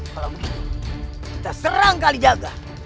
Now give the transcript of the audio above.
kalau gitu kita serang kalijaga